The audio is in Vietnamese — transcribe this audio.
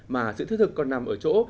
mà sự thiết thực còn nằm ở chỗ